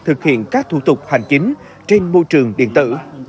thực hiện các thủ tục hành chính trên môi trường điện tử